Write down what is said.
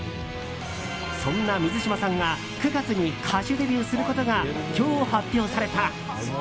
そんな水嶋さんが９月に歌手デビューすることが今日、発表された。